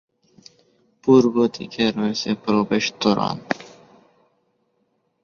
পূর্ব দিকে রয়েছে প্রবেশ তোরণ।